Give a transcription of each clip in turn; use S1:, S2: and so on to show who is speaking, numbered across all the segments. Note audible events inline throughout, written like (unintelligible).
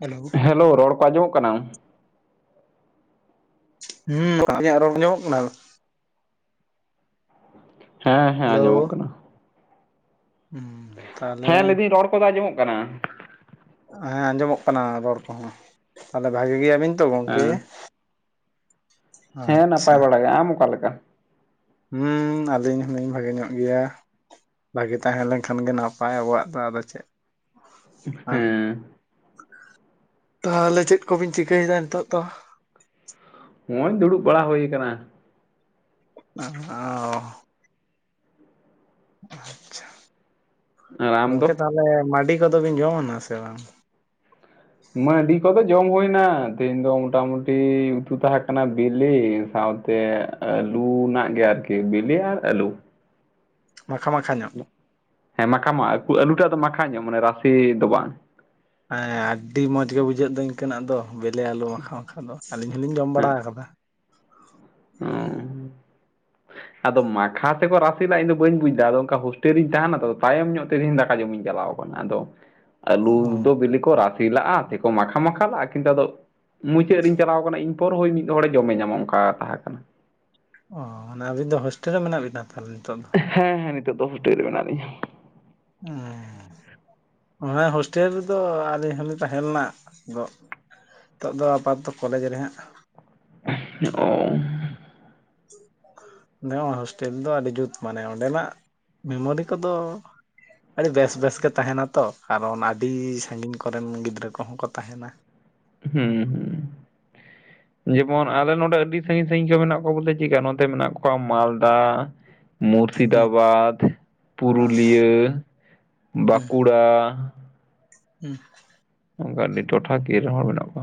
S1: Hello
S2: hello ᱨᱚᱲ ᱠᱚ ᱟᱸᱡᱚᱢᱚᱜ ᱠᱟᱱᱟ?
S1: ᱦᱩᱸ ᱟᱞᱤᱧ-ᱟᱜ ᱨᱚᱝ ᱟᱡᱚᱢ-ᱚᱜ ᱠᱟᱱᱟ
S2: ᱦᱮᱸ ᱦᱮᱸ
S1: ᱦᱮᱞᱳ
S2: ᱟᱸᱡᱚᱢ-ᱚᱜ ᱠᱟᱱᱟ
S1: ᱦᱩᱸ ᱛᱟᱦᱚᱞᱮ
S2: ᱦᱮᱸ ᱞᱟᱹᱭ ᱫᱤᱹᱧ ᱨᱚᱲ ᱠᱚ ᱫᱚ ᱟᱸᱡᱚᱢ-ᱚᱜ ᱠᱟᱱᱟᱹ
S1: ᱦᱮᱸ ᱟᱸᱡᱚᱢ-ᱚᱜ ᱠᱟᱱᱟ ᱨᱚᱲ ᱠᱚ ᱦᱚᱸ ᱛᱟᱦᱞᱮ ᱵᱷᱟᱹᱜᱤ ᱜᱮᱭᱟ ᱵᱤᱱ ᱛᱚ ᱜᱚᱝᱠᱮ
S2: ᱦᱮᱸ ᱦᱮᱸ ᱱᱟᱯᱟᱭ
S1: ᱟᱪᱪᱷᱟ
S2: ᱵᱟᱲᱟ ᱜᱮ ᱟᱢ ᱚᱠᱟ ᱞᱮᱠᱟ
S1: ᱦᱩᱸ ᱟᱹᱞᱤᱧ ᱦᱚᱸ ᱞᱤᱧ ᱵᱷᱟᱜᱮ ᱧᱚᱜ ᱜᱮᱭᱟ ᱵᱷᱟᱜᱮ ᱛᱟᱦᱮᱸ ᱞᱮᱱᱠᱷᱟᱱ ᱜᱮ ᱱᱟᱯᱟᱭ ᱟᱵᱚᱣᱟᱜ ᱫᱚ ᱟᱫᱚ ᱪᱮᱫ? ᱵᱟᱝ
S2: ᱦᱮᱸ᱾
S1: ᱛᱟᱦᱚᱞᱮ ᱪᱮᱫ ᱠᱚᱵᱤᱱ ᱪᱤᱠᱟᱹᱭᱫᱟ ᱱᱤᱛᱳᱜ ᱫᱚ?
S2: ᱱᱚᱜᱼᱚᱭ ᱫᱩᱲᱩᱵ ᱵᱟᱲᱟ ᱦᱳᱭ ᱠᱟᱱᱟ᱾
S1: ᱟᱻ ᱚ ᱟᱪᱷᱟ,
S2: ᱟᱨ ᱟᱢ
S1: ᱜᱚᱝᱠᱮ
S2: ᱫᱚ
S1: ᱛᱟᱦᱚᱞᱮ ᱢᱟᱹᱰᱤ ᱠᱚᱫᱚ ᱵᱮᱱ ᱡᱚᱢᱟᱱᱟ ᱥᱮ ᱵᱟᱝ?
S2: ᱢᱟᱹᱰᱤ ᱠᱚᱫᱚ ᱡᱚᱢ ᱦᱳᱭ ᱱᱟ ᱛᱮᱦᱮᱧ ᱫᱚ ᱢᱚᱴᱟᱢᱩᱴᱤ ᱩᱛᱩ ᱛᱟᱦᱮᱸ ᱠᱟᱱᱟ ᱵᱤᱞᱤ ᱥᱟᱶᱼᱼ ᱛᱮ ᱟᱹᱞᱩ ᱱᱟᱜ ᱜᱮ ᱟᱨᱠᱤ ᱵᱤᱞᱤ ᱟᱨ ᱟᱹᱞᱩ᱾
S1: ᱢᱟᱠᱷᱟ ᱢᱟᱠᱷᱟ ᱧᱚᱜ᱾
S2: ᱦᱮᱸ ᱢᱟᱠᱷᱟ ᱢᱟ ᱟᱹᱞᱩᱴᱟᱜ ᱫᱚ ᱢᱟᱠᱷᱟ ᱧᱚᱜ ᱢᱟᱱᱮ ᱨᱟᱥᱮ ᱫᱚ ᱵᱟᱝ᱾
S1: ᱦᱮᱸ ᱟᱹᱰᱤ ᱢᱚᱸᱡᱽ ᱜᱮ ᱵᱩᱡᱷᱟᱹᱜ ᱫᱟᱹᱧ᱾ ᱤᱠᱟᱹᱱᱟᱜ ᱫᱚ ᱵᱮᱞᱮ ᱟᱞᱚ ᱢᱟᱠᱷᱟᱣ ᱢᱟᱠᱷᱟ ᱫᱚ ᱟᱹᱞᱤᱧ ᱦᱚᱞᱤᱧ ᱡᱚᱢ ᱵᱟᱲᱟ
S2: ᱦᱮᱸ
S1: ᱟᱠᱟᱫᱟ᱾ᱦᱩᱸ
S2: ᱚ ᱟᱫᱚ ᱢᱟᱠᱷᱟ ᱛᱮᱠᱚ ᱨᱟᱥᱮ ᱞᱮ ᱤᱧᱫᱚ ᱵᱟᱹᱧ ᱵᱩᱡᱽ ᱫᱟ ᱟᱫᱚ ᱚᱱᱠᱟ ᱦᱳᱥᱴᱮᱞ ᱨᱤᱧ ᱛᱟᱦᱮᱱᱟ ᱛᱚ ᱛᱟᱭᱚᱢ ᱧᱚᱜ ᱛᱮᱦᱮᱧ ᱫᱟᱠᱟ ᱡᱚᱢᱤᱧ ᱪᱟᱞᱟᱣ ᱟᱠᱟᱱᱟ ᱟᱫᱚ
S1: ᱚ
S2: ᱟᱹᱞᱩ ᱫᱚ ᱵᱤᱞᱤ ᱠᱚ ᱨᱟᱥᱮ ᱞᱟᱜᱼᱟ ᱥᱮᱠᱚ ᱢᱟᱠᱷᱟ ᱢᱟᱠᱷᱟ ᱞᱟᱜᱼᱟ ᱠᱤᱱᱛᱩ ᱟ ᱫᱚ ᱢᱩᱪᱟᱹᱫ ᱨᱮᱧ ᱪᱟᱞᱟᱣ ᱠᱟᱱᱟ ᱤᱧ᱾ ᱯᱚᱨ ᱦᱳᱭ ᱢᱤᱫ ᱦᱚᱲᱮ ᱡᱚᱢᱮ ᱧᱟᱢᱚᱜ ᱚᱱᱠᱟ ᱛᱟᱦᱮᱸ ᱠᱟᱱᱟ᱾
S1: ᱚᱻᱟᱱᱮ ᱟᱵᱤᱱ ᱫᱚ ᱦᱳᱥᱴᱮᱞ ᱨᱮ ᱢᱮᱱᱟᱜ ᱵᱤᱱᱟ ᱛᱟᱦᱚᱞᱮ ᱱᱤᱛᱚᱜ ᱫᱚ?
S2: ᱦᱮᱸ ᱦᱮᱸ ᱱᱤᱛᱚᱜ ᱫᱚ ᱦᱳᱥᱴᱮᱞ ᱨᱮ ᱢᱮᱱᱟᱜ ᱞᱤᱧᱟ᱾
S1: ᱦᱮᱸᱻᱮ᱾ ᱚᱱᱟ ᱦᱳᱥᱴᱮᱞ ᱨᱮᱫᱚ ᱟᱹᱞᱤᱧ ᱦᱚᱸᱞᱤᱧ ᱛᱟᱦᱮᱸ ᱞᱮᱱᱟᱜ ᱜᱚᱜ ᱱᱤᱛᱚᱜ ᱫᱚ ᱟᱯᱟᱛᱛᱚ ᱠᱚᱞᱮᱡᱽ ᱨᱮᱦᱟᱸᱜ᱾
S2: ᱚ
S1: ᱚᱰᱮ ᱦᱚᱸ ᱦᱳᱥᱴᱮᱞ ᱫᱚ ᱟᱹᱰᱤ ᱡᱩᱛ ᱢᱟᱱᱮ ᱚᱸᱰᱮᱱᱟᱜ ᱢᱮᱢᱳᱨᱤ ᱠᱚᱫᱚ ᱟᱹᱰᱤ ᱵᱮᱥ ᱵᱮᱥ ᱜᱮ ᱛᱟᱦᱮᱱᱟ ᱛᱚ ᱠᱟᱨᱚᱱ ᱟᱹᱰᱤ ᱥᱟᱺᱜᱤᱧ ᱠᱚᱨᱮᱱ ᱜᱤᱫᱽᱨᱟᱹ ᱠᱚᱦᱚᱸ ᱠᱚ ᱛᱟᱦᱮᱱᱟ᱾
S2: ᱦᱩᱸ ᱦᱩᱸ ᱡᱮᱢᱚᱱ ᱟᱞᱮ ᱱᱚᱰᱮ ᱟᱹᱰᱤ ᱥᱟᱺᱜᱤᱧ ᱥᱟᱺᱜᱤᱧ ᱠᱚ ᱢᱮᱱᱟᱜ ᱠᱚᱣᱟ ᱵᱚᱞᱮ ᱪᱮᱠᱟ ᱱᱚᱛᱮ ᱢᱮᱱᱟᱜ ᱠᱚᱣᱟ ᱢᱟᱞᱫᱟ᱾
S1: ᱦᱩᱸ
S2: ᱢᱩᱨᱥᱤᱫᱟᱵᱟᱫᱽ
S1: ᱦᱩᱸ
S2: ᱯᱩᱨᱩᱞᱤᱭᱟᱹ
S1: ᱦᱩᱸ
S2: ᱵᱟᱸᱠᱩᱲᱟ᱾
S1: ᱦᱩᱸ
S2: ᱚᱱᱠᱟ ᱟᱹᱰᱤ ᱴᱚᱴᱷᱟᱠᱤᱭᱟᱹ ᱨᱮᱱ ᱦᱚᱸ ᱢᱮᱱᱟᱜ ᱠᱚᱣᱟ᱾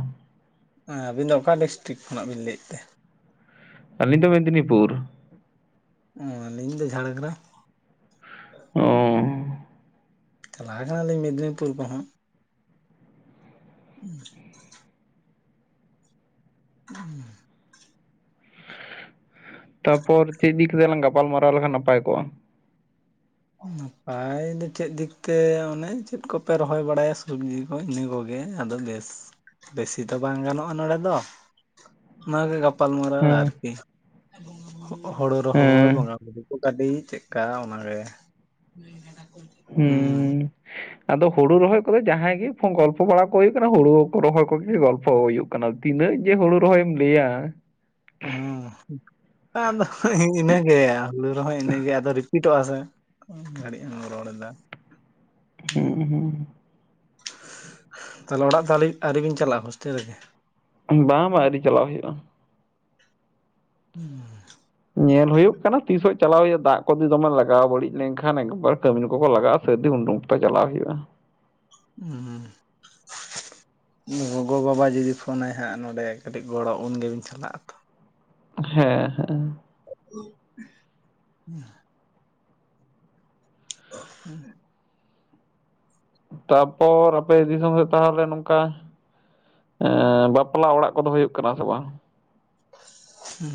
S1: ᱦᱮᱸ ᱟᱵᱤᱱ ᱫᱚ ᱚᱠᱟ ᱰᱤᱥᱴᱤᱠ ᱠᱷᱚᱱᱟᱜ ᱵᱮᱱ ᱞᱟᱹᱭᱮᱫ ᱛᱮ?
S2: ᱟᱹᱞᱤ ᱫᱚ ᱢᱮᱫᱽᱱᱤᱯᱩᱨ᱾
S1: ᱚ ᱟᱹᱞᱤᱧ ᱫᱚ ᱡᱷᱟᱲᱜᱨᱟᱢ᱾
S2: ᱚ
S1: ᱪᱟᱞᱟ ᱟᱠᱟᱱᱟᱞᱤᱧ ᱢᱮᱫᱽᱱᱤᱯᱩᱨ ᱠᱚᱦᱚᱸ᱾ (inaudible)
S2: ᱛᱟᱯᱚᱨ ᱪᱮᱫ ᱤᱫᱤ ᱠᱟᱛᱮ ᱞᱟᱝ ᱜᱟᱯᱟᱞᱢᱟᱨᱟᱣ ᱞᱮᱠᱷᱟᱱ ᱱᱟᱯᱟᱭ ᱠᱚᱜᱼᱟ?
S1: ᱱᱟᱯᱟᱭ ᱫᱮ ᱪᱮᱫ ᱫᱤᱠᱛᱮ ᱚᱱᱮ ᱪᱮᱫ ᱠᱚᱯᱮ ᱨᱚᱦᱚᱭ ᱵᱟᱲᱟᱭᱟ ᱥᱚᱵᱽᱡᱤ᱾ ᱦᱳᱭ ᱤᱱᱟᱹ ᱠᱚᱜᱮ ᱟᱫᱚ ᱵᱮᱥ ᱵᱮᱥᱤ ᱫᱚ ᱵᱟᱝ ᱜᱟᱱᱚᱜᱼᱟ ᱱᱚᱰᱮ ᱫᱚ᱾ ᱚᱱᱟᱜᱮ ᱜᱟᱯᱟᱞ ᱢᱟᱨᱟᱣ
S2: ᱦᱮᱸ
S1: ᱟᱨᱠᱤ ᱦᱳᱲᱳ ᱨᱚᱦᱚᱭ
S2: ᱦᱮᱸ
S1: ᱵᱚᱸᱜᱟ ᱤᱫᱤ ᱦᱚᱴᱚ ᱠᱟᱫᱮᱭᱟᱹᱧ ᱪᱮᱫᱠᱟ ᱚᱱᱟ ᱜᱮ ᱦᱮᱸ ᱞᱮᱫᱟ ᱠᱚ
S2: ᱦᱩᱸ ᱟᱫᱚ ᱦᱳᱲᱳ ᱨᱚᱦᱚᱭ ᱠᱚᱫᱚ ᱡᱟᱦᱟᱸᱭ ᱜᱮ ᱜᱚᱞᱯᱷᱚ ᱵᱟᱲᱟ ᱠᱚ ᱦᱳᱭᱳᱜ ᱠᱟᱱᱟ ᱦᱳᱲᱳ ᱠᱚ ᱨᱚᱦᱚᱭ ᱠᱚᱜᱮ ᱜᱚᱞᱯᱷᱚ ᱦᱳᱭᱳᱜᱼᱼ ᱚᱱᱟ ᱛᱤᱱᱟᱹᱜ ᱡᱮ ᱦᱳᱲᱳ ᱨᱚᱦᱚᱭᱢ ᱞᱟᱹᱭᱟ᱾
S1: ᱦᱚᱸ ᱟᱫᱚ ᱦᱤᱸᱦᱤ ᱤᱱᱟᱹᱜ ᱜᱮ ᱦᱩᱲᱩ ᱨᱚᱦᱚᱭ ᱤᱱᱟᱹᱜ ᱜᱮ ᱟᱫᱚ ᱨᱤᱯᱤᱴᱚᱜ-ᱟ ᱥᱮ᱾ ᱠᱚᱢ ᱜᱷᱟᱹᱲᱤᱡ ᱮᱢ ᱨᱚᱲᱫᱟ᱾
S2: ᱦᱩᱸ ᱦᱩᱸ
S1: ᱛᱟᱞᱮ ᱚᱲᱟᱜ ᱫᱚ ᱟᱹᱲᱤ ᱟᱹᱣᱨᱤ ᱵᱤᱱ ᱪᱟᱞᱟᱜᱼᱟ ᱦᱳᱥᱴᱮᱞ ᱨᱮᱜᱮ?
S2: ᱵᱟᱝ ᱵᱟᱝ ᱟᱹᱣᱨᱤ ᱪᱟᱞᱟᱣ ᱦᱩᱭᱩᱜ-ᱟ᱾
S1: ᱦᱩᱸ
S2: ᱧᱮᱞ ᱦᱩᱭᱩᱜ ᱠᱟᱱᱟ ᱛᱤᱥᱚᱜ ᱪᱟᱞᱟᱣ ᱦᱩᱭᱩᱜᱼᱟ ᱫᱟᱜ ᱠᱚ ᱫᱚᱢᱮ ᱞᱟᱜᱟᱣ ᱵᱟᱹᱲᱤᱡ ᱞᱮᱱ ᱠᱷᱟᱱ ᱮᱠᱵᱟᱨ ᱠᱟᱹᱢᱤ ᱠᱚᱠᱚ ᱞᱟᱜᱟᱜᱼᱟ ᱥᱟᱹᱨᱫᱤ ᱩᱰᱩᱝ ᱛᱚ ᱪᱟᱞᱟᱣ ᱦᱩᱭᱩᱜᱼᱟ
S1: ᱦᱩᱸ (inaudible) ᱜᱚᱜᱚ ᱵᱟᱵᱟ ᱡᱩᱫᱤ ᱯᱷᱳᱱᱟᱭ ᱦᱟᱸᱜ ᱱᱚᱸᱰᱮ ᱠᱟᱹᱴᱤᱡ ᱜᱚᱲᱚ ᱩᱱ ᱜᱮᱵᱤᱱ ᱪᱟᱞᱟᱜᱼᱟ ᱛᱚ᱾
S2: ᱦᱮᱸ ᱦᱮᱸ
S1: ᱦᱮᱸ ᱚ, ᱦᱩᱸ
S2: ᱛᱟᱯᱚᱨ ᱟᱯᱮ ᱫᱤᱥᱚᱢ ᱨᱮ ᱛᱟᱦᱚᱞᱮ ᱱᱚᱝᱠᱟ ᱵᱟᱯᱞᱟ ᱚᱲᱟᱜ ᱠᱚᱫᱚ ᱦᱩᱭᱩᱜ ᱠᱟᱱᱟ ᱥᱮ ᱵᱟᱝ?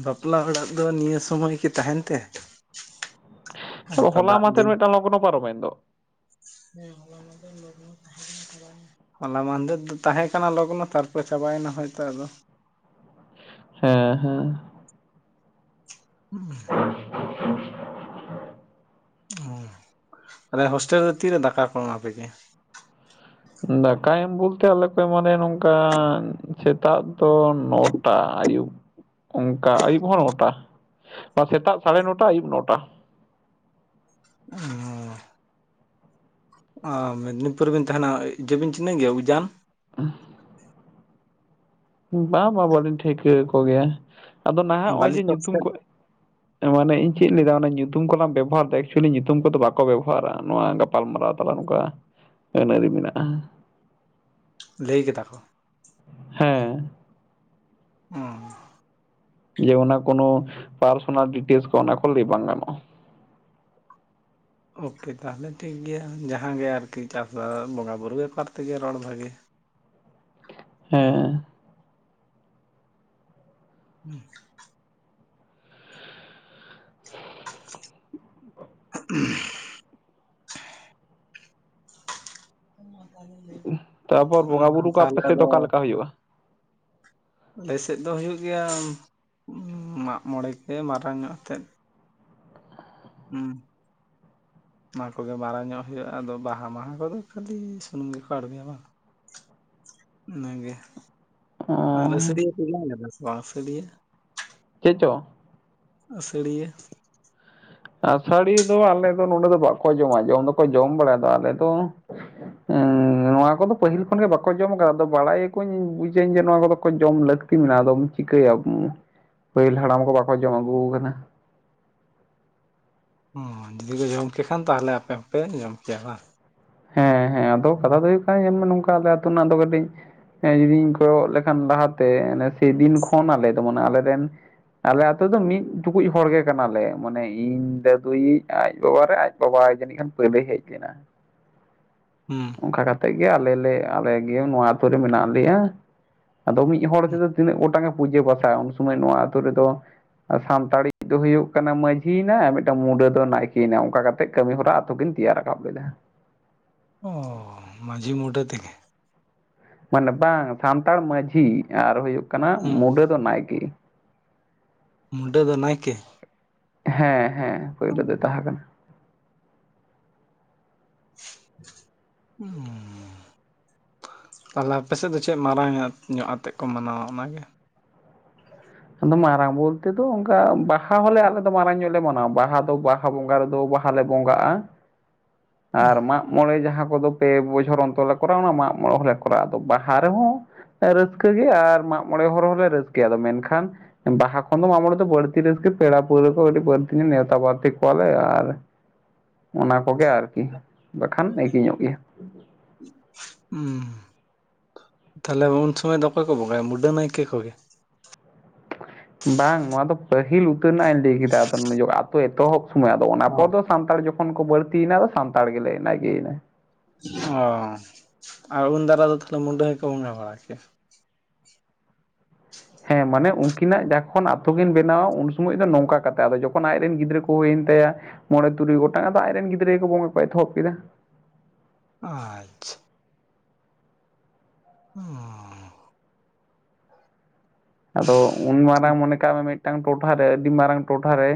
S1: ᱵᱟᱯᱞᱟ ᱚᱲᱟᱜ ᱫᱚ ᱱᱤᱭᱟᱹ ᱥᱚᱢᱚᱭ ᱠᱤ ᱛᱟᱦᱮᱱ ᱛᱮ ᱦᱮᱸ
S2: ᱪᱚ
S1: ᱛᱚ
S2: ᱦᱚᱞᱟ
S1: ᱫᱟᱜ
S2: ᱢᱟᱫᱷᱮᱨ
S1: ᱫᱤᱱ
S2: ᱢᱤᱫᱴᱟᱝ ᱞᱚᱜᱱᱚ ᱯᱟᱨᱚᱢᱮᱱ ᱫᱚ
S1: (inaudible) ᱞᱚᱜᱽᱱᱚ ᱛᱟᱦᱮᱸ ᱞᱮᱱ ᱛᱚ (inaudible) ᱦᱚᱞᱟ ᱢᱟᱦᱫᱮᱨ ᱫᱚ ᱛᱟᱦᱮᱸ ᱠᱟᱱᱟ ᱞᱚᱜᱱᱚ ᱛᱟᱨᱯᱚᱨᱮ ᱪᱟᱵᱟᱭᱮᱱᱟ ᱦᱚᱭᱛᱚ ᱟᱫᱚ
S2: ᱦᱮᱸ ᱦᱮᱸ
S1: ᱦ (unintelligible) ᱦᱳᱭ, ᱛᱟᱞᱦᱮ ᱦᱳᱥᱴᱮᱞ ᱨᱮ ᱛᱤᱨᱮ ᱫᱟᱠᱟ ᱠᱚ ᱮᱢᱟᱯᱮ ᱜᱮᱭᱟ
S2: ᱫᱟᱠᱟ ᱮᱢ ᱵᱚᱞᱛᱮ ᱟᱞᱮ ᱠᱚ ᱮᱢᱟᱱᱮᱭᱟ ᱱᱚᱝᱠᱟ ᱥᱮᱛᱟᱜ ᱫᱚ ᱱᱚᱴᱟ ᱟᱹᱭᱩᱵ
S1: (unintelligible)
S2: ᱚᱝᱠᱟ ᱟᱹᱭᱩᱵ ᱦᱚᱸ ᱱᱚᱴᱟ ᱵᱟ ᱥᱮᱛᱟᱜ ᱥᱟᱲᱮ ᱱᱚᱴᱟ ᱟᱹᱭᱩᱵ ᱱᱚᱴᱟ
S1: ᱚ ᱚ ᱢᱮᱫᱽᱱᱤᱯᱩᱨ ᱨᱮᱵᱤᱱ ᱛᱟᱦᱮᱱᱟ ᱤᱭᱟ. ᱵᱤᱱ ᱪᱤᱱᱦᱟᱹᱣᱮ ᱜᱮᱭᱟ ᱩᱡᱟᱱ
S2: (unintelligible) ᱵᱟ ᱵᱟ ᱵᱟᱞᱤᱧ ᱴᱷᱟᱹᱣᱠᱟᱹ ᱠᱚ ᱜᱮᱭᱟ ᱟᱫᱚ ᱱᱟᱦᱟᱜ ᱱᱚᱜᱼᱚᱭ
S1: ᱵᱟᱹᱞᱤ
S2: ᱡᱮ
S1: ᱪᱚᱠ
S2: ᱧᱩᱛᱩᱢ
S1: ᱥᱮᱫ
S2: ᱠᱚ ᱢᱟᱱᱮ ᱤᱧ ᱪᱮᱫ ᱞᱟᱹᱭᱫᱟ ᱚᱱᱟ ᱧᱩᱛᱩᱢ ᱠᱚᱞᱟᱝ ᱵᱮᱵᱚ ᱦᱟᱨ ᱮᱫᱟ ᱮᱠᱪᱩᱭᱮᱞᱤ ᱧᱩᱛᱩᱢ ᱠᱚᱫᱚ ᱵᱟᱠᱚ ᱵᱮᱵᱚᱦᱟᱨᱟ ᱱᱚᱣᱟ ᱜᱟᱯ ᱜᱟᱯᱟᱞ ᱢᱟᱨᱟᱣ ᱛᱟᱞᱟ ᱱᱚᱝᱠᱟ ᱟᱹᱱ ᱟᱹᱨᱤ ᱢᱮᱱᱟᱜᱼᱟ᱾
S1: ᱞᱟᱹᱭ ᱠᱮᱫᱟ ᱠᱚ
S2: ᱦᱮᱸ
S1: ᱦᱩᱸ
S2: ᱡᱮ ᱚᱱᱟ ᱠᱳᱱᱳ ᱯᱟᱨᱥᱱᱟᱞ ᱰᱤᱴᱮᱞᱥ ᱠᱚ ᱚᱱᱟ ᱠᱚ ᱞᱟ. ᱭ ᱵᱟᱝ ᱜᱟᱱᱚᱜ-ᱟ᱾
S1: ᱳᱠᱮ ᱛᱟᱦᱚᱞᱮ ᱴᱷᱤᱠ ᱜᱮᱭᱟ ᱡᱟᱦᱟ ᱜᱮ ᱟᱨᱠᱤ ᱪᱟᱥᱵᱟᱥ ᱵᱚᱸᱜᱟ ᱵᱩᱨᱩ ᱵᱮᱯᱟᱨ ᱛᱮᱜᱮ ᱨᱚᱲ ᱵᱷᱟᱹᱜᱤᱭᱟ᱾
S2: ᱦᱮᱸ
S1: ᱦᱩᱸ (unintelligible)
S2: ᱛᱟᱯᱚᱨ ᱵᱚᱸᱜᱟ
S1: (unintelligible) ᱦᱩᱸ
S2: ᱵᱩᱨᱩ ᱠᱚ ᱟᱯᱮ
S1: ᱛᱟᱦᱞᱮ
S2: ᱥᱮᱫ ᱫᱚ
S1: ᱟᱫᱚ
S2: ᱚᱠᱟ
S1: (inaudible)
S2: ᱞᱮᱠᱟ ᱦᱩᱭᱩᱜᱼᱟ
S1: ᱟᱞᱮ ᱥᱮᱫ ᱫᱚ ᱦᱩᱭᱩᱜ ᱜᱮᱭᱟ ᱢᱟᱜ ᱢᱚᱬᱮ ᱜᱮ ᱢᱟᱨᱟᱝ ᱟᱜ ᱛᱮᱫ ᱦᱩᱸ ᱚᱱᱟ ᱠᱚᱜᱮ ᱢᱟᱨᱟᱝ ᱧᱚᱜ ᱦᱩᱭᱩᱜᱼᱟ ᱟᱫᱚ ᱵᱟᱦᱟ ᱢᱟᱦᱟ ᱠᱚᱫᱚ ᱠᱷᱟᱹᱞᱤ ᱥᱩᱱᱩᱢ ᱜᱮᱠᱚ ᱟᱬᱜᱚᱭᱟ ᱵᱟᱝ᱾ ᱤᱱᱟᱹᱜᱮ ᱟᱨ
S2: ᱚᱸᱻ
S1: ᱟᱹᱥᱟᱹᱲᱤᱭᱟᱹ ᱠᱚ ᱡᱚᱢ ᱜᱮᱭᱟ ᱥᱮ ᱵᱟᱝ ᱟᱹᱥᱟ. ᱲᱤᱭᱟ᱾
S2: ᱪᱮᱫ ᱪᱚ
S1: ᱟᱹᱥᱟᱹᱲᱤᱭᱟᱹ
S2: ᱟᱥᱟᱹᱲᱤᱭᱟᱹ ᱫᱚ ᱟᱞᱮ ᱫᱚ ᱱᱚᱰᱮ ᱫᱚ ᱵᱟᱠᱚ ᱡᱚᱢᱟ ᱡᱚᱢ ᱫᱚᱠᱚ ᱡᱚᱢ ᱵᱟᱲᱟᱭᱫᱟ ᱟᱫᱚ ᱟᱞᱮ ᱫᱚ ᱱᱚᱣᱟ ᱠᱚᱫᱚ ᱯᱟᱹᱦᱤᱞ ᱠᱷᱚᱱ ᱜᱮ ᱵᱟᱠᱚ ᱡᱚᱢ ᱠᱟᱫᱟ ᱟᱫᱚ ᱵᱟᱲᱟᱭ ᱤᱧ ᱵᱩᱡᱟᱹᱧ ᱡᱮ ᱱᱚᱣᱟ ᱠᱚᱫᱚ ᱠᱚ ᱡᱚᱢ ᱞᱟᱹᱠ ᱞᱟᱹᱠᱛᱤ ᱢᱮᱱᱟᱜᱼᱟ ᱟᱫᱚᱢ ᱪᱤᱠᱟᱹᱭᱟ ᱯᱟᱹᱦᱤᱞ ᱦᱟᱲᱟᱢ ᱠᱚ ᱵᱟᱠᱚ ᱡᱚᱢ ᱟᱹᱜᱩ ᱟᱠᱟᱫᱟ
S1: ᱦᱩᱸ, ᱡᱩᱫᱤ ᱠᱚ ᱡᱚᱢ ᱠᱮ ᱠᱷᱟᱱ ᱛᱟᱦᱚᱞᱮ ᱟᱯᱮ ᱦᱚᱸᱯᱮ ᱡᱚᱢ ᱠᱮᱭᱟ ᱵᱟᱝ
S2: ᱦᱮᱸ ᱦᱮᱸ ᱟᱫᱚ ᱠᱟᱛᱷᱟ ᱫᱚ ᱦᱩᱭᱩᱜ ᱠᱟᱱᱟ ᱧᱮᱞᱢᱮ ᱱᱚᱝᱠᱟ ᱟᱞᱮ ᱟᱹᱛᱩ ᱨᱮᱱᱟᱜ ᱫᱚ ᱠᱟᱹᱴᱤᱡ ᱦᱮ ᱡᱩᱫᱤᱧ ᱠᱚᱭᱚᱜ ᱞᱮᱠᱷᱟᱱ ᱞᱟᱦᱟ ᱛᱮ ᱥᱮᱫᱤᱱ ᱠᱷᱚᱱ ᱟᱞᱮ ᱫᱚ ᱟᱞᱮ ᱨᱮᱱ ᱟᱞᱮ ᱟᱛᱩ ᱫᱚ ᱢᱤᱫ ᱴᱩᱠᱩᱡ ᱦᱚᱲ ᱜᱮ ᱠᱟᱱᱟᱞᱮ ᱢᱟᱱᱮ ᱤᱧ ᱫᱟᱫᱩᱭᱤᱡ ᱟᱡ ᱵᱟᱵᱟ ᱨᱮ ᱟᱡ (unintelligible)
S1: ᱦᱮᱸ
S2: ᱚᱱᱠᱟ ᱠᱟᱛᱮᱫ ᱜᱮ ᱟᱞᱮ ᱞᱮ ᱟᱞᱮ ᱜᱮ ᱱᱚᱣᱟ ᱟᱹᱛᱩ ᱨᱮ ᱢᱮᱱᱟᱜ ᱞᱮᱭᱟ ᱟᱫᱚ ᱢᱤᱫ ᱦᱚᱲ
S1: ᱦᱩᱸ
S2: ᱛᱮᱫᱚ ᱛᱤᱱᱟᱹᱜ ᱜᱚᱴᱟᱝ ᱮ ᱯᱩᱡᱟᱹ ᱯᱟᱥᱟᱭᱟ ᱩᱱ ᱥᱚᱢᱚᱭ ᱱᱚᱣᱟ ᱟᱹᱛᱩᱳ ᱨᱮᱫᱚ ᱥᱟᱱᱛᱟᱲᱤ ᱫᱚ ᱦᱩᱭᱩᱜ ᱠᱟᱱᱟ ᱢᱟᱡᱷᱤ ᱭᱮᱱᱟ ᱟᱨ ᱢᱤᱫᱴᱟᱝ ᱢᱩᱰᱟᱹ ᱫᱚ ᱱᱟᱭᱠᱤ ᱭᱮᱱᱟ ᱚᱱᱠᱟ ᱠᱟᱛᱮ ᱛᱫ ᱠᱟᱹᱢᱤ ᱦᱚᱨᱟ ᱟᱛᱳ ᱠᱤᱱ ᱛᱮᱭᱟᱨ ᱨᱟᱠᱟᱵ ᱞᱮᱫᱟ
S1: ᱩ ᱢᱟᱡᱷᱤ ᱢᱩᱰᱟᱹ ᱛᱮ ᱜᱮ
S2: ᱢᱟᱱᱮ ᱵᱟᱝ ᱥᱟᱱᱛᱟᱲ ᱢᱟᱡᱷᱤ ᱟᱨ ᱦᱩᱭᱩᱜ ᱠᱟᱱᱟ
S1: ᱦᱩᱸ
S2: ᱢᱩᱰᱟᱹ ᱫᱚ ᱱᱟᱭᱠᱮ
S1: ᱢᱩᱰᱟᱹ ᱫᱚ ᱱᱟᱭᱠᱮ
S2: ᱦᱮᱸ ᱦᱮᱸ ᱯᱳᱭᱞᱳ
S1: ᱦᱩᱸ
S2: ᱫᱚᱭ ᱛᱟᱦᱮᱸ ᱠᱟᱱᱟ
S1: ᱩ (unintelligible) ᱛᱟᱦᱚᱞᱮ ᱟᱯᱮ ᱥᱮᱫ ᱫᱚ ᱪᱮᱫ ᱢᱟᱨᱟᱝ ᱧᱚᱜ ᱟᱛᱮᱫ ᱠᱚ ᱢᱟᱱᱟᱣᱟ ᱚᱱᱟᱜᱮ
S2: ᱟᱫᱚ ᱢᱟᱨᱟᱝ ᱵᱚᱞᱛᱮ ᱫᱚ ᱚᱱᱠᱟ ᱵᱟᱦᱟ ᱦᱚᱸᱞᱮ ᱟᱞᱮ ᱫᱚ ᱢᱟᱨᱟᱝ ᱧᱚᱜ ᱞᱮ ᱢᱟᱱᱟᱣᱟ ᱵᱟᱦᱟ ᱫᱚ ᱵᱟᱦᱟ ᱵᱟᱦᱟ ᱵᱚᱸᱜᱟ ᱨᱮᱫᱚ ᱵᱟᱦᱟ ᱞᱮ ᱵᱚᱸᱜᱟᱜᱼᱟ
S1: (inaudible) ᱦᱩᱸ
S2: ᱟᱨ ᱢᱟᱜ ᱢᱚᱬᱮ ᱡᱟᱦᱟᱸ ᱠᱚᱫᱚ ᱯᱮ ᱵᱚᱪᱷᱚᱨ ᱚᱱᱛᱚᱨ ᱞᱮ ᱠᱚᱨᱟᱣᱟ ᱚᱱᱟ ᱢᱟᱜ ᱢᱚᱬᱮ ᱦᱚᱸᱞᱮ ᱠᱚᱨᱟᱣᱟ ᱟᱫᱚ ᱵᱟᱦᱟ ᱨᱮᱦᱚᱸ ᱨᱟᱹᱥᱠᱟᱹ ᱜᱮ ᱟᱨ ᱢᱟᱜ ᱢᱚᱬᱮ ᱦᱚᱲᱮ ᱦᱚᱸ ᱞᱮ ᱨᱟᱹᱥᱠᱟᱹᱭᱟ ᱟᱫᱚ ᱢᱮᱱᱠᱷᱟᱱ ᱵᱟᱦᱟ ᱠᱷᱚᱱ ᱫᱚ ᱢᱟᱜ ᱢᱚᱬᱮ ᱫᱚ ᱵᱟᱹᱲᱛᱤ ᱨᱟᱹᱥᱠ ᱯᱮᱲᱟ ᱯᱟᱹᱲᱟᱹ ᱠᱚ ᱵᱟᱹᱲᱛᱤ ᱱᱮᱣᱛᱟ ᱵᱟᱨᱛᱤ ᱠᱚᱣᱟᱞᱮ ᱟᱨ
S1: (inaudible)
S2: ᱚᱱᱟ ᱠᱚᱜᱮ ᱟᱨᱠᱤ ᱵᱟᱠᱷᱟᱱ (unintelligible) ᱧᱚᱜ ᱜᱮᱭᱟ
S1: ᱦᱩᱸ ᱛᱟᱦᱚᱞᱮ ᱩᱱ ᱥᱚᱢᱚᱭ ᱫᱚ ᱚᱠᱚᱭ ᱠᱚ ᱵᱚᱜᱟᱭᱟ ᱢᱩᱰᱟᱹ ᱱᱟᱭᱠᱮ ᱠᱚᱜᱮ
S2: ᱵᱟᱝ ᱱᱚᱣᱟ ᱫᱚ ᱯᱟᱹᱦᱤᱞ ᱩᱛᱟᱹᱨ ᱨᱮᱱᱟᱜ ᱤᱧ ᱞᱟᱹᱭ ᱠᱮᱫᱟ ᱟᱫᱚ ᱟᱛᱳ ᱮᱛᱚᱦᱚᱵ ᱥᱚᱢᱚᱭ ᱟᱫᱚ ᱚᱱᱟ
S1: ᱚ
S2: ᱯᱚᱨ ᱫᱚ ᱥᱟᱱᱛᱟᱲ ᱡᱚᱠᱷᱚᱱ ᱠᱚ ᱵᱟᱹᱲᱛᱤ ᱭᱮᱱᱟ ᱟᱫᱚ ᱥᱟᱱᱛᱟᱲ ᱜᱮᱞᱮ ᱱᱟᱭᱠᱮ ᱭᱮᱱᱟᱭ
S1: ᱚ ᱟᱨ ᱩᱞ ᱫᱟᱨᱤ ᱫᱚ ᱛᱟᱦᱚᱞᱮ ᱢᱩᱰᱟᱹ ᱜᱮᱠᱳ ᱵᱚᱝᱜᱟ ᱵᱟᱲᱟ ᱪᱮᱛ
S2: ᱦᱮᱸ ᱢᱟᱱᱮ ᱩᱱᱠᱤᱱᱟᱜ ᱡᱚᱠᱷᱚᱱ ᱟᱛᱳ ᱠᱤᱱ ᱵᱮᱱᱟᱣᱟ ᱩᱱ ᱥᱚᱢᱚᱭ ᱫᱚ ᱱᱚᱝᱠᱟ ᱠᱟᱛ ᱟᱫᱚ ᱡᱚᱠᱷᱚᱱ ᱟᱡᱨᱮᱱ ᱜᱤᱫᱽᱨᱟᱹ ᱠᱚ ᱦᱩᱭᱮᱱ ᱛᱟᱭᱟ ᱢᱚᱬᱮ ᱛᱩᱨᱩᱭ ᱜᱚᱴᱟᱝ ᱟᱫᱚ ᱟᱡ ᱨᱮᱱ ᱜᱤᱫᱽᱨᱟᱹ ᱜᱮ ᱵᱚᱸᱜᱟ ᱠᱚ ᱮᱛᱚᱦᱚᱵ ᱠᱮᱫᱟ
S1: ᱟᱨ ᱩ
S2: ᱟᱫᱚ ᱩᱱ ᱢᱟᱨᱟᱝ ᱢᱚᱱᱮ ᱠᱟᱜ ᱢᱮ ᱢᱤᱫᱴᱟᱝ ᱴᱚᱴᱷᱟᱨᱮ ᱟᱹᱰᱤ ᱢᱟᱨᱟᱝ ᱴᱚᱴᱷᱟᱨᱮ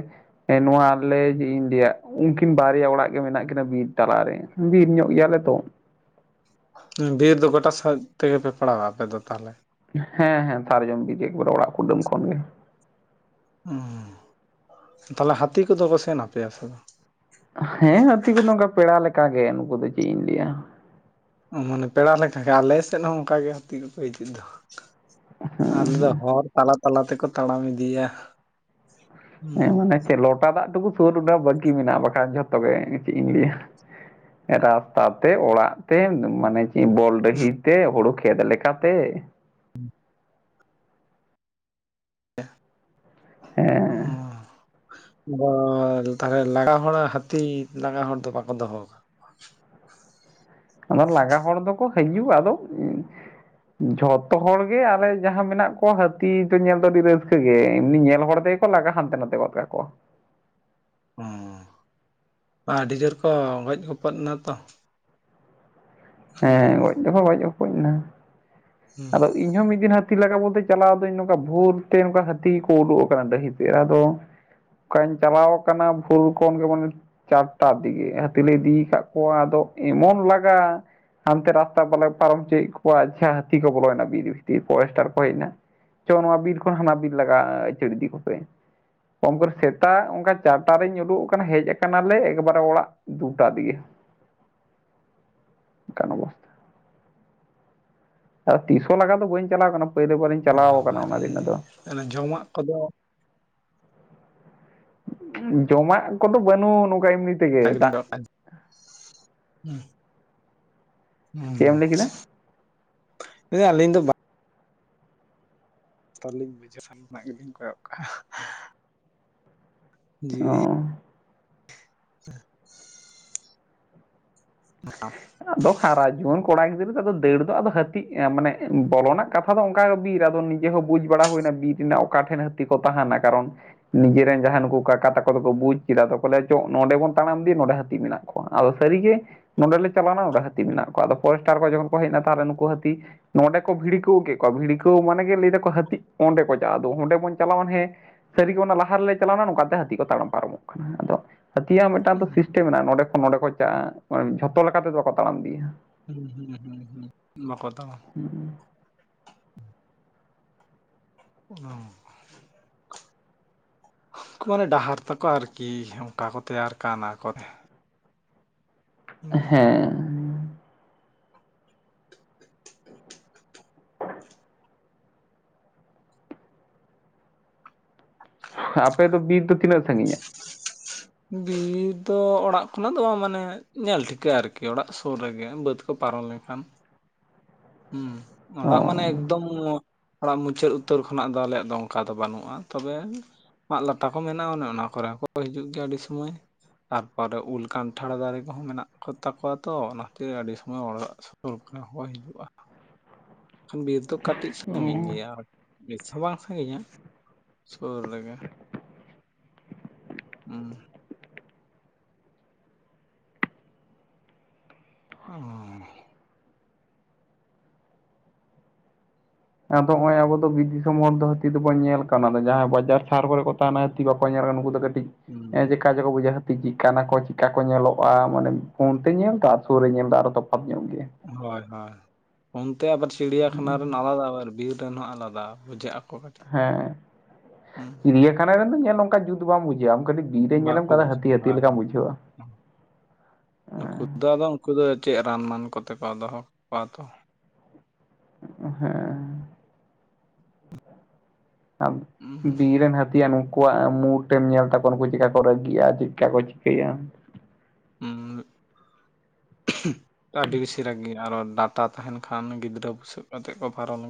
S2: ᱮ ᱱᱚᱣᱟ ᱟᱞᱮ ᱤᱧ ᱞᱭᱟ ᱩᱱᱠᱤᱱ ᱵᱟᱨᱭᱟ ᱚᱲᱟᱜ ᱜᱮ ᱢᱮᱱᱟᱜ ᱠᱤᱱᱟ ᱵᱤᱨ ᱛᱟᱞᱟᱨᱮ ᱵᱤᱨ ᱧᱚᱜ ᱜᱮᱭᱟᱞᱮ ᱛᱚ
S1: ᱵᱤᱨ ᱫᱚ ᱜᱚᱴᱟ ᱥᱮᱫ ᱛᱮᱜᱮ ᱯᱮ ᱯᱟᱲᱟᱣᱟ ᱟᱯᱮ ᱫᱚ ᱛᱟᱦᱚᱞᱮ
S2: ᱦᱮᱸ ᱦᱮᱸ ᱥᱟᱨᱡᱚᱢ ᱛᱮᱜᱮ ᱚᱲᱟᱜ ᱠᱩᱰᱟᱹᱢ ᱠᱷᱚᱱ ᱜᱮ
S1: ᱩ ᱛᱟᱦᱚᱞᱮ ᱦᱟᱹᱛᱤ ᱠᱚᱫᱚ ᱠᱚ ᱥᱮᱱ ᱟᱯᱮᱭᱟ ᱥᱮ ᱵᱟᱝ
S2: ᱦᱮᱸ ᱦᱟᱹᱛᱤ ᱠᱚᱫ ᱱᱚᱝᱠᱟ ᱯᱮᱲᱟ ᱞᱮᱠᱟ ᱜᱮ ᱱᱩᱠᱩ ᱫᱚ ᱪᱮᱫ ᱤᱧ ᱞᱟᱹᱭᱟ
S1: ᱚ ᱢᱟᱱᱮ ᱯᱮᱲᱟ ᱞᱮᱠᱟ ᱜᱮ ᱟᱞᱮ ᱥᱮᱫ ᱦᱚᱸ ᱚᱱᱠᱟᱜᱮ ᱦᱟᱹᱛᱤ ᱠᱚᱠᱚ ᱦᱤᱡᱩᱜ ᱫᱚ
S2: ᱦᱮᱸ
S1: ᱟᱞᱮ ᱫᱚ
S2: ᱦᱮᱸ
S1: ᱦᱚᱲ ᱛᱟᱞᱟ ᱛᱟᱞᱟ ᱛᱮᱠᱚ ᱛᱟᱲᱟᱢ ᱤᱫᱤᱭᱟ ᱦᱩᱸ
S2: ᱦᱮᱸ ᱢᱟᱱᱮ ᱞᱚᱴᱟ ᱫᱟᱜ ᱴᱩᱠᱩ ᱥᱩᱨ ᱵᱠᱤ ᱢᱮᱱᱟᱜᱼᱟ ᱵᱟᱠᱷᱟᱱ ᱡᱷᱚᱛᱚ ᱜᱮ ᱪᱮᱫ ᱤᱧ ᱞᱟᱹᱭᱟ ᱨᱟᱥᱛᱟ ᱛᱮ, ᱚᱲᱟᱜ ᱛᱮ, ᱢᱟᱱᱮ ᱪᱮᱫ ᱵᱚᱞ
S1: ᱦᱩᱸ
S2: ᱰᱟᱹᱦᱤ ᱛᱮ, ᱦᱩᱲᱩ ᱠᱷᱮᱛ ᱞᱮᱠᱟᱛᱮ,
S1: (unintelligible)
S2: ᱦᱮᱸ᱾
S1: ᱩ (unintelligible) ᱦᱚᱲᱟ ᱦᱟᱹᱛᱤ ᱞᱟᱜᱟ ᱦᱚᱲ ᱫᱚ ᱵᱟ ᱠᱚ ᱫᱚᱦᱚ ᱟᱠᱟ
S2: ᱚᱱᱟ ᱞᱟᱜᱟ ᱦᱚᱲ ᱫᱚᱠᱚ ᱦᱤᱡᱩᱜᱼᱟ ᱟᱫᱚ ᱡᱷᱚᱛᱚ ᱦᱚᱲ ᱜᱮ ᱟᱞᱮ ᱡᱟᱦᱟᱸ ᱢᱮᱱᱟᱜ ᱠᱚᱣᱟ ᱦᱟᱹᱛᱤ ᱫᱚ ᱧᱮᱞ ᱫᱚ ᱟᱹᱰᱤ ᱨᱟᱹᱥᱠᱟᱹ ᱜᱮ ᱮᱢᱱᱤ ᱧᱮᱞ ᱦᱚᱲ ᱫᱚ ᱞᱟᱜᱟ ᱦᱟᱱᱛᱮ ᱱᱟᱛᱮ ᱜᱚᱜ ᱠᱟᱠᱳᱣ-ᱟ
S1: ᱚ ᱟᱹᱰᱤ ᱡᱳᱨ ᱠᱚ ᱜᱚᱡ ᱜᱚᱯᱚᱫ ᱮᱱᱟ ᱛᱚ
S2: ᱦᱮᱸ
S1: ᱚᱱᱟᱜᱮ
S2: ᱜᱚᱡ ᱫᱚᱠᱚ ᱜᱚᱡ ᱜᱚᱯᱚᱡ ᱱᱟ
S1: ᱦᱩᱸ
S2: ᱟᱫᱚ ᱤᱧ ᱦᱚ ᱢᱤᱫ ᱫᱤᱱ ᱦᱟᱫ ᱦᱟᱹᱛᱤ ᱞᱟᱜᱟ ᱵᱚᱞᱛᱮ ᱪᱟᱞᱟᱣ ᱫᱚ ᱤᱧ ᱱᱚᱝᱠᱟ ᱵᱷᱳᱨ ᱛᱮ ᱱᱚᱝᱠᱟ ᱦᱟᱹᱛᱤ ᱠᱳ ᱠᱚ ᱩᱰᱩᱠ ᱟᱠᱟᱱᱟ ᱰᱟᱹᱦᱤ ᱛᱮ ᱟᱫᱚ ᱚᱱᱠᱟᱧ ᱪᱟᱞᱟᱣ ᱟᱠᱟᱱᱟ ᱯᱷᱩᱞ ᱠᱚᱱ ᱜᱮ ᱢᱟᱱᱮ ᱪᱟ ᱛᱟ ᱫᱤᱜᱮ ᱦᱟᱹᱛᱤ ᱞᱮ ᱤᱫᱤᱭᱠᱟᱫ ᱠᱚᱣᱟ ᱟᱫᱚ ᱮᱢᱚᱱ ᱞᱟᱜᱟ ᱦᱟᱱᱛᱮ ᱨᱟᱥᱛᱟ ᱵᱟᱞᱮ ᱯᱟᱨᱚᱢ ᱦᱚᱪᱚᱭᱮᱫ ᱠᱚᱣᱟ ᱟᱪᱷᱟ ᱦᱟᱛᱤ ᱠᱚ ᱵᱚᱞᱚᱭᱮᱱᱟ ᱵᱤᱨ ᱵᱷᱤᱛᱤᱨ ᱯᱚᱨᱮᱥᱴᱟᱨ ᱠᱚ ᱦᱮᱡ ᱮᱱᱟ᱾ ᱪᱚ ᱱᱚᱣᱟ ᱵᱤᱨ ᱠᱷᱚᱱ ᱦᱟᱱᱟ ᱵᱤᱨ ᱞᱟᱜᱟ ᱟᱹᱪᱟᱹᱲ ᱤᱫᱤ ᱠᱚᱯᱮ ᱠᱚᱢ ᱠᱚᱨᱮ ᱥᱮᱛᱟᱜ ᱚᱱᱠᱟ ᱪᱟᱴᱟ ᱨᱤᱧ ᱩᱰᱩᱠ ᱟᱠᱟᱱᱟ ᱦᱮᱡ ᱟᱠᱟᱱᱟᱞᱮ ᱮᱠᱵᱟᱨᱮ ᱚᱲᱟᱜ ᱫᱩᱴᱟ ᱫᱤᱭᱮ ᱠᱟᱱᱚ (unintelligible) ᱟᱨ ᱛᱤᱥᱦ ᱦᱚᱸ ᱞᱟᱜᱟ ᱫᱚ ᱵᱟᱹᱧ ᱪᱟᱞᱟᱣ ᱠᱟᱱᱟ, ᱯᱟᱭᱞᱟ. ᱵᱟᱨᱤᱧ ᱪᱟᱞᱟᱣ ᱟᱠᱟᱱᱟ ᱚᱱᱟ ᱫᱤᱱ ᱟᱫᱚ᱾
S1: ᱛᱟᱦᱞᱮ ᱡᱚᱢᱟᱜ ᱠᱚᱫᱚ
S2: ᱡᱚᱢᱟᱜ ᱠᱚᱫᱚ ᱵᱟᱱᱩᱜ ᱱᱚᱝᱠᱟ ᱮᱢᱱᱤ
S1: ᱛᱟ
S2: ᱛᱮᱜᱮ
S1: ᱜᱤᱞᱤᱧ
S2: ᱫᱟᱜ
S1: ᱫᱚᱨᱠᱟᱨ ᱦᱩ᱾ ᱦᱩ
S2: ᱪᱮᱫ ᱮᱢ ᱞᱟᱹᱭ ᱠᱮᱫᱟ
S1: ᱟᱪᱷᱟ ᱞᱟᱭ ᱫᱟᱞᱤᱧ ᱟᱹᱞᱤᱧ ᱫᱚ ᱵᱟᱝ ᱛᱚᱞᱤᱧ (unintelligible) ᱵᱩᱡᱷᱟᱹᱣ ᱜᱮᱞᱤᱧ ᱠᱚᱭᱚᱜ ᱠᱟᱜᱼᱟ ᱡᱮ
S2: ᱚ
S1: (inaudible) (unintelligible)
S2: ᱟᱫᱚ ᱦᱟᱨᱟ ᱡᱩᱣᱟᱹᱱ ᱠᱚᱲᱟ ᱜᱤᱫᱽᱨᱟᱹ ᱫᱚ ᱟᱫᱚ ᱫᱟᱹᱲ ᱫᱚ ᱟᱫᱚ ᱦᱟᱹᱛᱤᱜ ᱢᱟᱱᱮᱜ ᱵᱚᱞᱚᱱᱟᱜ ᱠᱟᱛᱷᱟ ᱟᱫᱚ ᱚᱱᱠᱟᱜᱮ ᱵᱤᱨ ᱟᱫᱚ ᱱᱤᱡᱮ ᱦᱚᱸ ᱵᱩᱡᱽ ᱵᱟᱲᱟ ᱦᱩᱭᱱᱟ ᱵᱤᱨ ᱨᱮᱱᱟᱜ ᱚᱠᱟ ᱴᱷᱮᱱ ᱦᱟᱹᱛᱤ ᱠᱚ ᱛᱟᱦᱮᱱᱟ ᱠᱟᱨᱚᱱ ᱱᱤᱡᱮᱨᱮᱱ ᱡᱟᱦᱟᱸᱭ ᱱᱩᱠᱩ ᱠᱟᱠᱟ ᱛᱟᱠᱚ ᱫᱚᱠᱚ ᱵᱩᱡᱽ ᱠᱮᱫᱟ ᱛᱚᱠᱚ ᱞᱟᱹᱭᱟ ᱪᱚ ᱱᱚᱰᱮ ᱵᱚᱱ ᱛᱟᱲᱟᱢ ᱤᱫᱤᱭ ᱱᱚᱰᱮ ᱦᱟᱹᱛᱤ ᱢᱮᱱᱟᱜ ᱠᱚᱣᱟ ᱟᱫᱚ ᱥᱟᱹᱨᱤᱜᱮ ᱱᱚᱸᱰᱮ ᱞᱮ ᱪᱟᱞᱟᱣᱱᱟ ᱱᱚᱰᱮ ᱦᱟᱹᱛᱤ ᱢᱮᱱᱟᱜ ᱠᱚᱣᱟ ᱟᱫᱚ ᱯᱷᱚᱨᱮᱥᱴᱟᱨ ᱠᱚ ᱡᱚᱠᱷᱚᱱ ᱠᱚ ᱦᱮᱡ ᱱᱟ ᱛᱟᱦᱚᱞᱮ ᱱᱩᱠᱩ ᱦᱟᱹᱛᱤ ᱱᱚᱸᱰᱮ ᱠᱚ ᱵᱷᱤᱲᱤᱠᱟᱹᱣ ᱠᱮᱫ ᱠᱚᱣᱟ, ᱵᱷᱤᱲᱠᱟᱹᱣ ᱢᱟᱱᱮ ᱞᱟᱹᱭ ᱫᱟᱠᱚ ᱦᱟᱹᱛᱤ ᱚᱸᱰᱮ ᱠᱚ ᱪᱟᱜᱼᱟ, ᱟᱫᱚ ᱚᱸᱰᱮ ᱵᱚᱱ ᱪᱟᱞᱟᱣᱟᱱ ᱦᱮᱸ ᱥᱟᱹᱨᱤᱜᱮ ᱚᱱᱟ ᱞᱟᱦᱟ ᱨᱮᱞᱮ ᱪᱟᱞᱟᱣᱱᱟ ᱱᱚᱝᱠᱟᱛᱮ ᱦᱟᱹᱛᱤ ᱠᱚ ᱛᱟᱲᱟᱢ ᱯᱟᱨᱚᱢᱚᱜ ᱠᱟᱱᱟ ᱟᱫᱚ ᱦᱟᱹᱛᱤᱭᱟᱜ ᱢᱤᱫᱴᱟᱝ ᱛᱚ
S1: ᱦᱩᱸ
S2: ᱥᱤᱥᱴᱮᱢ ᱦ ᱢᱮᱱᱟᱜᱼᱟ ᱱᱚᱸᱰᱮ ᱠᱷᱚᱱ ᱱᱚᱸᱰᱮ ᱠᱚ ᱪᱟᱜᱼᱟ ᱡᱚᱛᱚ ᱞᱮᱠᱟ ᱛᱮᱫᱚ ᱵᱟᱠᱚ ᱛᱟᱲᱟᱢ ᱤᱫᱤᱭᱟ
S1: ᱦᱩᱸ ᱦᱩᱸ ᱦᱩᱸ ᱦᱩᱸ ᱵᱟᱠᱚ ᱛᱟᱲᱟᱢᱟ
S2: ᱦᱩᱸ᱾
S1: ᱚᱱᱟ ᱦᱚᱸ ᱩᱱᱠᱩ ᱢᱟᱱᱮ ᱰᱟᱦᱟᱨ ᱛᱟᱠᱚ ᱟᱨᱠᱤ ᱚᱱᱠᱟ ᱠᱚ ᱛᱮᱭᱟᱨ ᱠᱟᱣᱱᱟ ᱟᱠᱚᱛᱮ
S2: ᱦᱮᱸ᱾ ᱟᱯᱮᱫ ᱫᱚ ᱵᱤᱨ ᱫᱚ ᱛᱤᱱᱟᱹᱜ ᱥᱟᱺᱜᱤᱧᱟ
S1: (inaudible) ᱵᱤᱨ ᱫᱚ ᱚᱲᱟᱜ ᱠᱷᱚᱱᱟᱜ ᱫᱚ ᱵᱟᱝ ᱢᱟᱱᱮ ᱧᱮᱞ ᱴᱷᱤᱠᱟᱹᱜ ᱟᱨᱠᱤ ᱚᱲᱟᱜ ᱥᱩᱨ ᱨᱮᱜᱮ ᱵᱟᱹᱫᱽ ᱠᱚ ᱯᱟᱨᱚᱢ ᱞᱮᱱᱠᱷᱟᱱ ᱦᱩᱸ
S2: ᱚ
S1: ᱚᱲᱟᱜ ᱢᱟᱱᱮ ᱮᱠᱫᱚᱢ ᱚᱱᱟ ᱢᱩᱪᱟᱹᱫ ᱩᱛᱟᱹᱨ ᱠᱷᱚᱱᱟᱜ ᱫᱚ ᱟᱞᱮᱭᱟᱜ ᱫᱚ ᱚᱱᱠᱟ ᱫᱚ ᱵᱟᱹᱱᱩᱜᱼᱟ, ᱛᱚᱵᱮ ᱢᱟᱜ ᱞᱟᱴᱟ ᱠᱚ ᱢᱮᱱᱟᱜᱼᱟ ᱚᱱᱮ ᱚᱱᱟ ᱠᱚᱨᱮ ᱦᱚᱸ ᱠᱚ ᱦᱤᱡᱩᱜ ᱜᱮᱭᱟ ᱟᱹᱰᱤ ᱥᱚᱢᱚᱭ᱾ ᱛᱟᱨᱯᱚᱨᱮ ᱩᱞ ᱠᱟᱱᱴᱷᱟᱲ ᱫᱟᱨᱮ ᱠᱚᱦᱚᱸ ᱢᱮᱱᱟᱜ ᱠᱚ ᱛᱟᱠᱚᱣᱟ ᱛᱚ ᱚᱱᱟ ᱠᱷᱛᱤᱨ ᱟᱹᱰᱤ ᱥᱳᱢᱚᱭ ᱚ ᱥᱚᱨᱠᱟᱨ ᱦᱚᱭ ᱦᱤᱡᱩᱜᱼᱟ, ᱵᱤᱨ ᱫᱚ ᱠᱟᱹᱴᱤᱡ ᱥᱟᱺᱜᱤᱧ
S2: ᱦᱮᱸ
S1: ᱜᱮᱭᱟ᱾ ᱵᱮᱥ ᱦᱚᱸ ᱵᱟᱝ ᱥᱟᱺᱜᱤᱧᱟ ᱥᱩᱨ ᱨᱮᱜᱮ ᱚ ᱚ
S2: ᱟᱫᱚ ᱱᱚᱜᱼᱚᱭ ᱟᱵᱚ ᱫᱚ ᱵᱤᱫ ᱫᱤᱥᱚᱢ ᱦᱚᱲᱚ ᱫᱷᱟᱹᱛᱤ ᱫᱚᱵᱚᱱ ᱧᱮᱞ ᱠᱟᱱᱟ ᱡᱟᱦᱟᱸᱭ ᱵᱟᱡᱟᱨ ᱥᱟᱨ ᱠᱚᱨᱮ ᱠᱚ ᱛᱟᱦᱮᱱᱟ (unintelligible) ᱵᱟᱠᱚ ᱧᱮᱞ ᱱᱩᱠᱩ ᱫᱚ ᱠᱚᱹᱴᱤᱡ
S1: ᱦᱩᱸ
S2: (unintelligible) ᱪᱮᱠᱟ ᱪᱚᱠᱚ ᱵᱩᱡᱷᱟ ᱦᱟᱹ ᱛᱤ ᱪᱤᱠᱟᱱᱟ ᱠᱚ ᱪᱮᱠᱟ ᱠᱚ ᱧᱮᱞᱚᱜᱼᱟ, ᱢᱟᱱᱮ ᱯᱷᱳᱱᱛᱮ ᱧᱮᱞ ᱫᱚ ᱟᱨ ᱥᱩᱨ ᱨᱮ ᱧᱮᱞ ᱫᱚ ᱟᱨᱚ ᱛᱚᱯᱟᱛ ᱧᱚᱜ ᱜᱮᱭᱟ᱾
S1: ᱦᱚᱭ ᱦᱚᱭ ᱚᱱᱛᱮ ᱟᱵᱟᱨ ᱪᱤᱲᱤᱭᱟᱠᱷᱟᱱᱟ ᱨᱮᱱ ᱟᱞᱟᱫᱟ ᱟᱵᱟᱨ ᱵᱤᱨ ᱨᱮᱱ ᱦᱚᱸ ᱟᱞᱟᱫᱟ ᱵᱩᱡᱷᱟᱹᱜ-ᱟ᱾
S2: ᱦᱮᱸ ᱪᱤᱲᱤᱭᱟᱠᱷᱟᱱᱟ ᱨᱮᱱᱫᱚ ᱧᱮᱞ ᱚᱱᱠᱟ ᱡᱩᱛ ᱵᱟᱢ ᱵᱩᱡᱷᱟᱹᱣᱟ ᱟᱢ ᱠᱟᱹᱴᱤᱡ ᱵᱤᱨᱮ ᱧᱮᱞᱢ
S1: ᱵᱟᱠᱚ
S2: ᱠᱟᱫᱟ ᱦᱟᱹᱛᱤ
S1: ᱵᱩᱡᱷᱟᱹᱜᱼᱟ
S2: ᱦᱟᱛᱤ
S1: ᱦᱳᱭ
S2: ᱞᱮᱠᱟᱢ
S1: ᱦᱳᱭ
S2: ᱵᱩᱡᱷᱟ. ᱣᱟ
S1: ᱱᱩᱠᱩ ᱫᱚ ᱟᱫᱚ ᱩᱱᱠᱩ ᱫᱚ ᱪᱮᱫ ᱨᱟᱱ ᱢᱟᱱ ᱠᱚᱛᱮ ᱠᱚ ᱫᱚᱦᱚ ᱠᱚᱣᱟ ᱛᱚ᱾
S2: ᱦᱮᱸ
S1: ᱦᱩᱸ
S2: ᱵᱤᱨ ᱨᱮᱱ ᱦᱚᱛᱤ ᱭᱟᱱ ᱱᱚᱝ ᱠᱩᱣᱟᱜ ᱢᱩ ᱴᱷᱮᱱ ᱧᱮᱞ ᱛᱟᱠᱚᱣᱟ ᱱᱩᱠᱩ ᱪᱤᱠᱟ ᱠᱚ ᱨᱟᱹᱜᱤᱜᱼᱟ ᱪᱮᱫᱠᱟ ᱠᱚ ᱪᱤᱠᱟᱹᱭᱟ
S1: ᱩᱸ (unintelligible) ᱟᱹᱰᱤ ᱵᱮᱥᱤ ᱨᱟᱜᱤ ᱟᱨᱚ ᱰᱟᱴᱟ ᱛᱟᱦᱮᱱ ᱠᱷᱟᱱ ᱜᱤᱫᱽᱨᱟᱹ ᱵᱩᱥᱟᱹᱜ ᱠᱟᱛᱮᱫ ᱠᱚ ᱯᱟᱨᱚᱢ ᱞᱮᱱ